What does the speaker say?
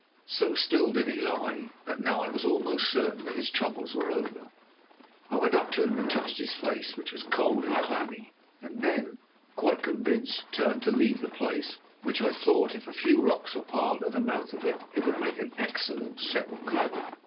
So still did he lie, that now I was almost certain that his troubles were over. I went up to him and touched his face, which was cold and clammy, and then, quite convinced, turned to leave the place, which, I thought, if a few rocks were piled in the mouth of it, would make an excellent sepulchre.